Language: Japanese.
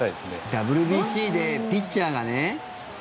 ＷＢＣでピッチャーがね